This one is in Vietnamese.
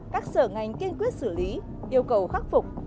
các sở ngành kiên quyết xử lý yêu cầu khắc phục